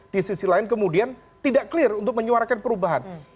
di sisi lain kemudian tidak clear untuk menyuarakan perubahan